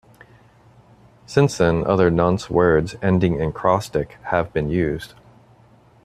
Since then, other nonce words ending in "-crostic" have been used.